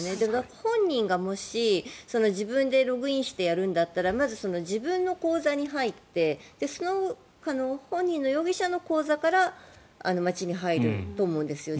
本人がもし自分でログインしてやるんだったらまず、自分の口座に入って容疑者本人の口座から町に入ると思うんですよ